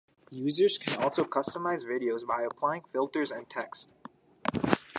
Users can also customize videos by applying filters and text.